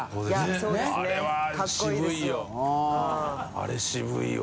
あれ渋いわ。